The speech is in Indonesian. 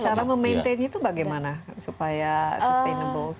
cara memaintain itu bagaimana supaya sustainable